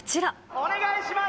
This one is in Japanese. お願いします。